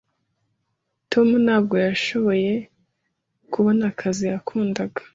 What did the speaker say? Tom ntabwo yashoboye kubona akazi yakundaga.